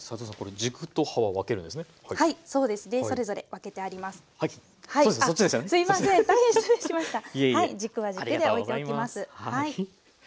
軸は軸で置いておきます。